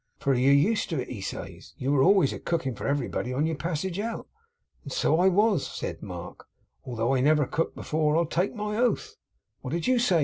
"For you're used to it," he says; "you were always a cooking for everybody on your passage out." And so I was,' said Mark, 'although I never cooked before, I'll take my oath.' 'What did you say?